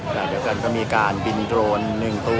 การประตูกรมทหารที่สิบเอ็ดเป็นภาพสดขนาดนี้นะครับ